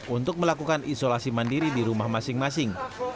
untuk melakukan isolasi mandiri di rumah masing masing